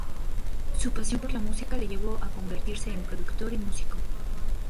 Su pasión por la música le llevó a convertirse en productor y músico.